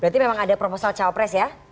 berarti memang ada proposal cawapres ya